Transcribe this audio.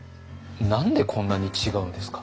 何でこんなに違うんですか？